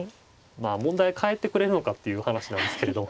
まあ問題は帰ってくれるのかっていう話なんですけれど。